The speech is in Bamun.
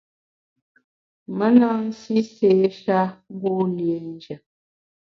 Me na nsi séé-sha ngu liénjù.